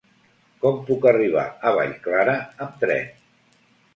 Com puc arribar a Vallclara amb tren?